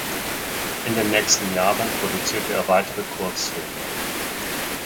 In den nächsten Jahren produzierte er weitere Kurzfilme.